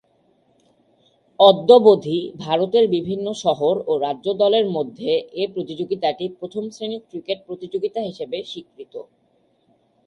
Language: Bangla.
অদ্যাবধি ভারতের বিভিন্ন শহর ও রাজ্য দলের মধ্যে এ প্রতিযোগিতাটি প্রথম-শ্রেণীর ক্রিকেট প্রতিযোগিতা হিসেবে স্বীকৃত।